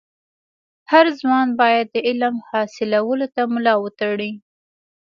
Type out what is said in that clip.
هر ځوان باید د علم حاصلولو ته ملا و تړي.